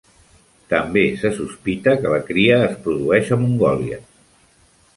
També se sospita que la cria es produeix a Mongòlia.